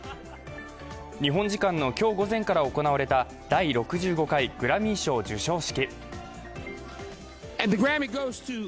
日本時間の今日午前から行われた第６５回グラミー賞授賞式。